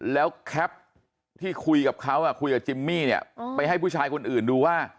แล้วแคปที่คุยกับเขาคุยกับจิมมี่เนี่ยไปให้ผู้ชายคนอื่นดูว่า